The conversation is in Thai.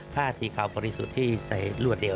ผ้าสีขาวบริสุทธิ์ที่ใส่รวดเดียว